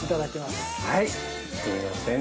すみません。